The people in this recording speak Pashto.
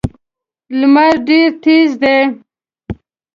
لمر ډېر تېز دی.